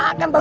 eh kakak bos